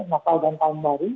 natal dan tahun baru